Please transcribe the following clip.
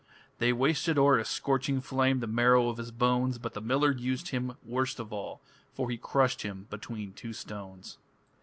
They wasted o'er a scorching flame The marrow of his bones, But the miller used him worst of all, For he crushed him between two stones.